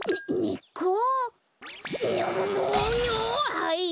はい！